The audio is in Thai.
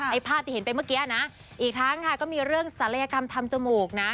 ภาพที่เห็นไปเมื่อกี้นะอีกทั้งค่ะก็มีเรื่องศัลยกรรมทำจมูกนะ